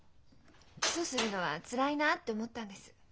起訴するのはつらいなあって思ったんです。